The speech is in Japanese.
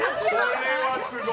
これはすごい。